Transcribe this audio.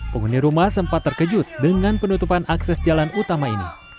penghuni rumah sempat terkejut dengan penutupan akses jalan utama ini